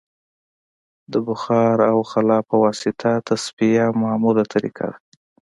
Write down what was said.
د بخار او خلا په واسطه تصفیه معموله طریقه ده